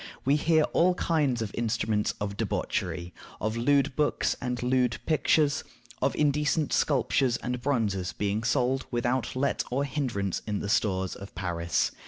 We hear of all kinds of instruments of debauchery; of lewd books and lewd pictures; of indecent sculptures and bronzes being sold without let or hinderance in the stores of Paris.